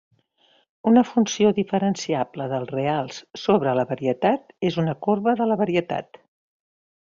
Una funció diferenciable dels reals sobre la varietat és una corba de la varietat.